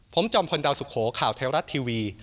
ผมจอมพลดาวสุโขข่าวเทวรัฐทีวี